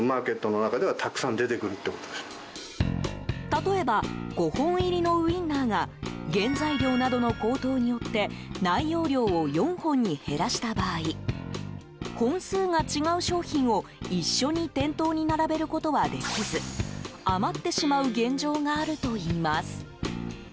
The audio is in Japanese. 例えば５本入りのウインナーが原材料などの高騰によって内容量を４本に減らした場合本数が違う商品を一緒に店頭に並べることはできず余ってしまう現状があるといいます。